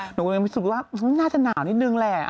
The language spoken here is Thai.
หนูคิดว่าน่าจะหนาวนิดหนึ่งแหละ